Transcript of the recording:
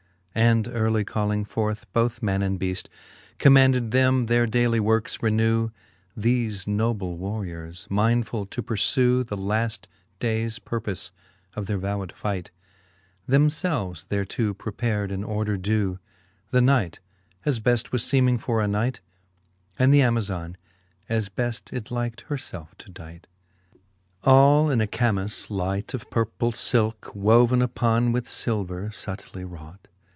And early calling forth both man and beaft, Commanded them their daily workes renew, Thefe noble warriors, mindefull to purfew The laft daies purpofe of their vowed fight, Them felves thereto preparde in order dew; The knight, as beft was feeming for a knight, And th' Amazon, as beft it likt her felfe to dight ; II. All in a Camis light of purple filke Woven uppon with filver, fubtly wrought.